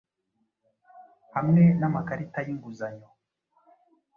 hamwe namakarita yinguzanyo